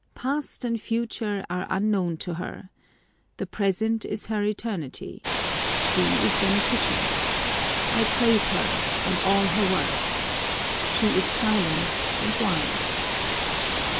Past and future are unknown to her. The present is her etermty. She is beneficent. I praise her and all her works. She is silent and wise.